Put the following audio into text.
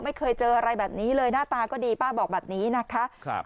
ไม่เคยเจออะไรแบบนี้เลยหน้าตาก็ดีป้าบอกแบบนี้นะคะ